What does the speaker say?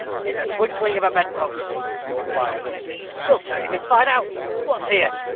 "In the twinkling of a bed post," replied Rust. "We'll turn him inside out. What's here?"